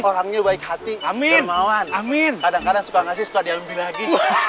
orangnya baik hati germawan kadang kadang suka ngasih suka diambil lagi